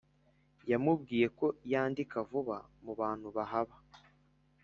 yamubwiye ko yandika vuba mu bantu bahaba